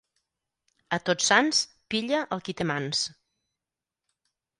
A Tots Sants pilla el qui té mans.